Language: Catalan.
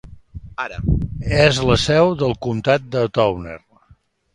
És la seu del comtat de Towner.